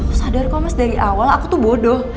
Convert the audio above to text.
terus sadar kok mas dari awal aku tuh bodoh